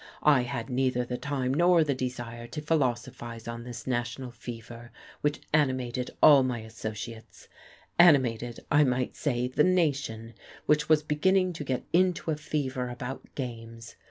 I had neither the time nor the desire to philosophize on this national fever, which animated all my associates: animated, I might say, the nation, which was beginning to get into a fever about games.